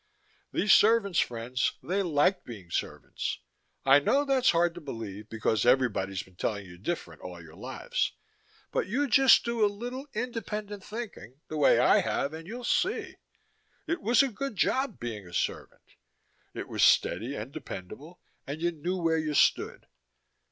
These servants, friends, they liked being servants. I know that's hard to believe because everybody's been telling you different all your lives, but you just do a little independent thinking, the way I have, and you'll see. It was a good job, being a servant. It was steady and dependable and you knew where you stood.